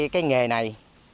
cái nghề này